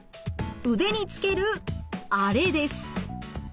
腕につけるあれです。